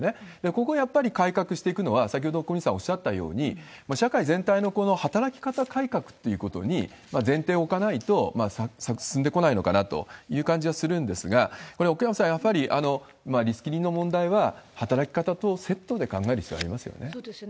ここをやっぱり改革していくのは、先ほど小西さんおっしゃったように、社会全体の働き方改革ということに前提を置かないと進んでこないのかなという感じはするんですが、これは奥山さん、やっぱりリスキリングの問題は働き方とセットで考える必要ありまそうですね。